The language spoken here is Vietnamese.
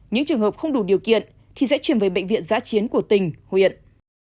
những trường hợp không đủ điều kiện thì sẽ chuyển về bệnh viện giá chiến của tỉnh huyện